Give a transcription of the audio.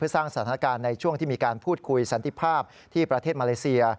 สร้างสถานการณ์ในช่วงที่มีการพูดคุยสันติภาพที่ประเทศมาเลเซีย